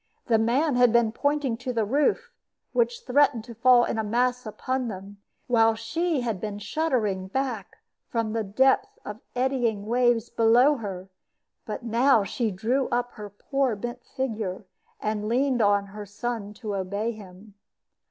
The man had been pointing to the roof, which threatened to fall in a mass upon them, while she had been shuddering back from the depth of eddying waves below her. But now she drew up her poor bent figure, and leaned on her son to obey him.